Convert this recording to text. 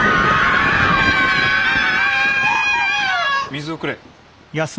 水をくれ。